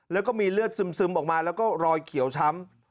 แล้วก็มีเลือดซึมออกมาแล้วก็รอยเขียวช้ำ